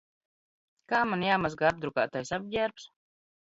Kā man jāmazgā apdrukātais apģērbs?